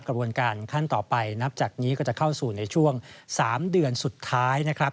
กระบวนการขั้นต่อไปนับจากนี้ก็จะเข้าสู่ในช่วง๓เดือนสุดท้ายนะครับ